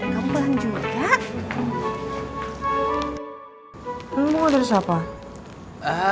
kamu mau dari siapa